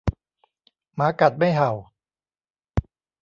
หมากัดไม่เห่า